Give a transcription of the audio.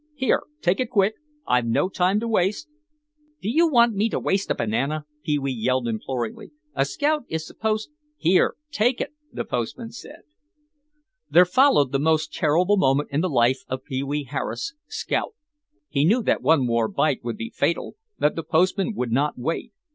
Here, take it quick; I've no time to waste." "Do you want me to waste a banana," Pee wee yelled imploringly; "a scout is supposed—" "Here, take it," the postman said. There followed the most terrible moment in the life of Pee wee Harris, Scout. He knew that one more bite would be fatal, that the postman would not wait.